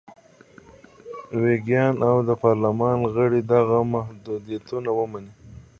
ویګیان او د پارلمان غړي دغه محدودیتونه ومني.